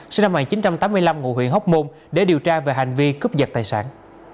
sinh năm một nghìn chín trăm tám mươi năm ngụ huyện hóc môn để điều tra về hành vi cướp giật tài sản